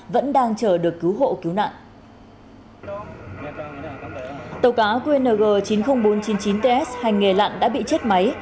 vẫn đang chờ được cứu hộ cứu nạn tàu cá qng chín mươi nghìn bốn trăm chín mươi chín ts hành nghề lặn đã bị chết máy